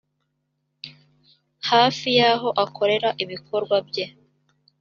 hafi y aho akorera ibikorwa bye